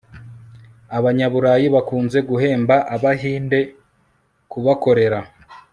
abanyaburayi bakunze guhemba abahinde kubakorera